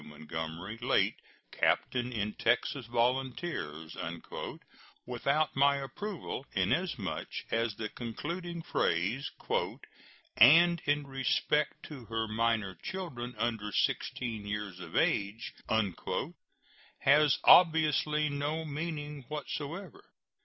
Montgomery, late captain in Texas Volunteers," without my approval, inasmuch as the concluding phrase, "and in respect to her minor children under 16 years of age," has obviously no meaning whatsoever.